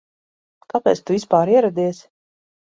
Kāpēc tu vispār ieradies?